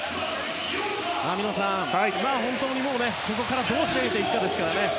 網野さん、本当にここからどう仕上げていくかですね。